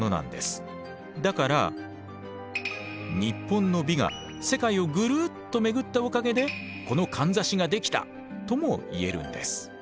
だから日本の美が世界をぐるっと巡ったおかげでこのかんざしができたとも言えるんです。